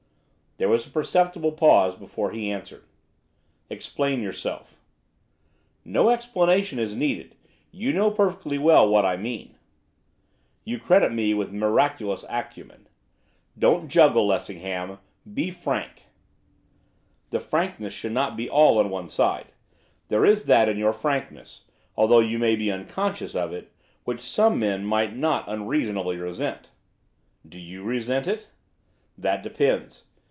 There was a perceptible pause before he answered. 'Explain yourself.' 'No explanation is needed, you know perfectly well what I mean.' 'You credit me with miraculous acumen.' 'Don't juggle, Lessingham, be frank!' 'The frankness should not be all on one side. There is that in your frankness, although you may be unconscious of it, which some men might not unreasonably resent.' 'Do you resent it?' 'That depends.